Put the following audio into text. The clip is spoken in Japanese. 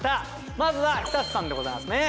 まずは寿人さんでございますね。